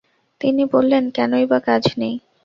তিনি বললেন, কেনই বা কাজ নেই?